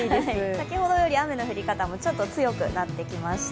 先ほどより雨の降り方もちょっと強くなってきました。